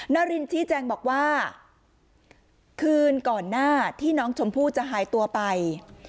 นารินชี้แจงบอกว่าคืนก่อนหน้าที่น้องชมพู่จะหายตัวไป